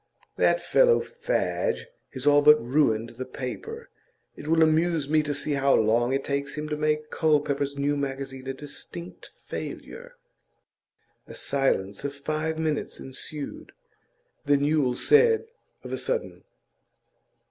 That fellow Fadge has all but ruined the paper. It will amuse me to see how long it takes him to make Culpepper's new magazine a distinct failure.' A silence of five minutes ensued; then Yule said of a sudden.